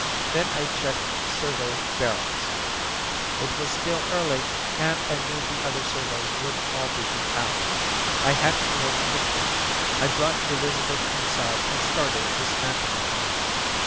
Then I checked servo barracks; it was still early and I knew the other servos would all be in town. I had to work quickly. I brought Elizabeth inside and started dismantling her.